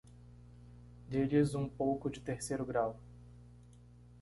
Dê-lhes um pouco de terceiro grau.